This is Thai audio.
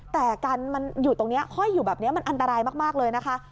แต่กันมันอยู่ตรงนี้ห้อยอยู่แบบนี้มันอันตรายมากเลยนะคะ